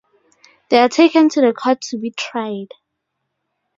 They are taken to the court to be tried.